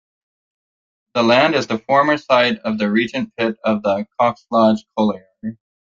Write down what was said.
The land is the former site of the Regent Pit of the Coxlodge Colliery.